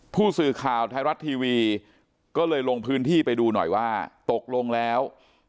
ผู้สื่อข่าวไทยรัฐทีวีก็เลยลงพื้นที่ไปดูหน่อยว่าตกลงแล้ว